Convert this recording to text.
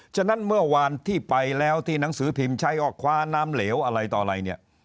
ฉะนั้นเมื่อวานที่ไปแล้วที่หนังสือพิมพ์ใช้ว่าคว้าน้ำเหลวอะไรต่ออะไรเนี่ย